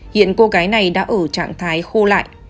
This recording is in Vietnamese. hiện cô gái này đã ở trạng thái khô lại